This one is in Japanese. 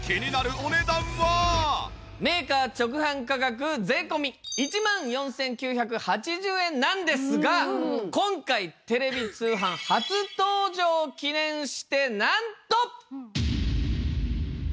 メーカー直販価格税込１万４９８０円なんですが今回テレビ通販初登場を記念してなんと。